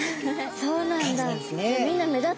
そうなんだ！